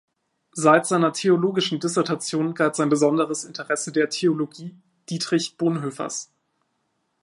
Seit seiner theologischen Dissertation galt sein besonderes Interesse der Theologie Dietrich Bonhoeffers.